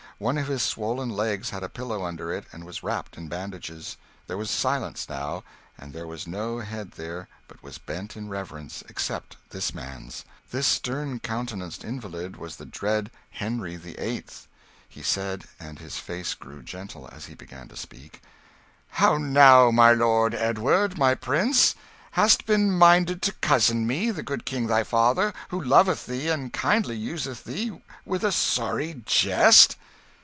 One of his swollen legs had a pillow under it, and was wrapped in bandages. There was silence now; and there was no head there but was bent in reverence, except this man's. This stern countenanced invalid was the dread Henry VIII. He said and his face grew gentle as he began to speak "How now, my lord Edward, my prince? Hast been minded to cozen me, the good King thy father, who loveth thee, and kindly useth thee, with a sorry jest?"